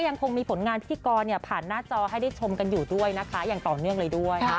ก็ยังคงมีผลงานพี่กรพาดหน้าจอให้ได้ชมกันอยู่อย่างต่อเนื่องเลยด้วย